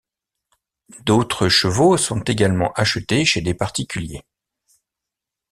D’autres chevaux sont également achetés chez des particuliers.